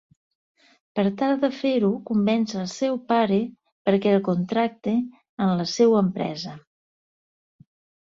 Per tal de fer-ho convenç el seu pare perquè el contracte en la seua empresa.